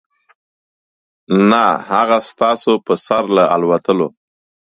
نه هغه ستاسو په سر له الوتلو .